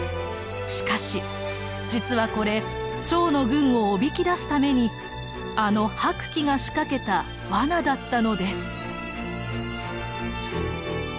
しかし実はこれ趙の軍をおびき出すためにあの白起が仕掛けたワナだったのです。